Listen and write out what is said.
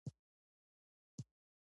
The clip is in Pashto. بله ورځ یې په ټولګي کې واورئ په پښتو ژبه.